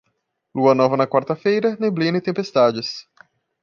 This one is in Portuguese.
Lua nova na quarta-feira, neblina e tempestades.